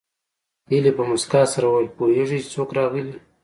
هيلې په مسکا سره وویل پوهېږې چې څوک راغلي